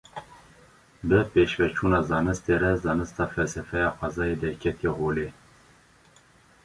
Bi pêşveçûna zanistê re, zanista felsefeya xwezayê derketiye holê